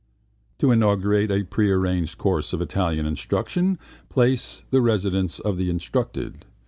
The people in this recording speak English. To inaugurate a prearranged course of Italian instruction, place the residence of the instructed.